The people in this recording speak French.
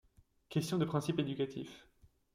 Question de principe éducatif.